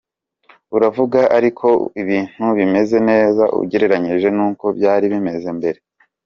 Uravuga ariko ko ibintu bimeze neza ugereranyije nuko byari bimeze mbere.